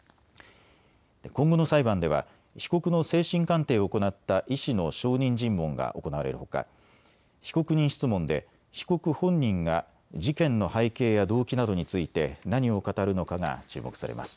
今後の裁判では被告の精神鑑定を行った医師の証人尋問が行われるほか、被告人質問で被告本人が事件の背景や動機などについて何を語るのかが注目されます。